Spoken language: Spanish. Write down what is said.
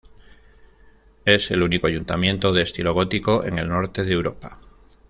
Es el único ayuntamiento de estilo gótico en el norte de Europa.